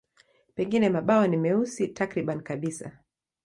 Pengine mabawa ni meusi takriban kabisa.